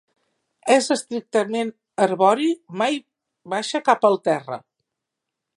És estrictament arbori, mai baixa cap al terra.